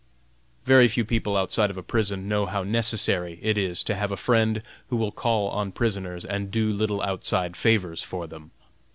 Very few people outside of a prison know how necessary it is to have a friend who will call on prisoners and do little outside favors for them.